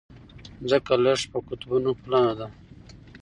ځمکه لږه په قطبونو پلنه ده.